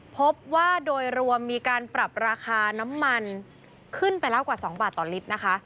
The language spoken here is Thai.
พบว่าโดยรวมมีการปรับราคาน้ำมันขึ้นไปแล้วกว่า๒บาทต่อลิตรนะคะ